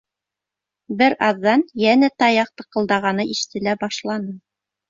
Бер аҙҙан йәнә таяҡ тыҡылдағаны ишетелә башланы.